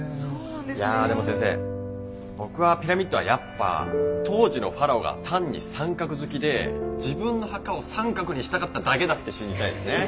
いやでも先生僕はピラミッドはやっぱ当時のファラオが単に三角好きで自分の墓を三角にしたかっただけだって信じたいですね。